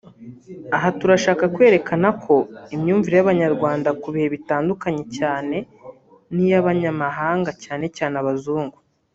Aha turashaka kwerekana ko imyumvire y’Abanyarwanda ku “bihe” itandukanye cyane n’iy’abanyamahanga cyane cyane Abazungu